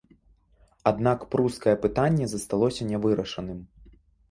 Аднак прускае пытанне засталося нявырашаным.